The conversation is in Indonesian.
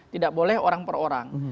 tidak boleh orang per orang